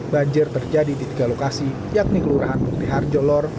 banjir terjadi di tiga lokasi yakni kelurahan bukti harjolor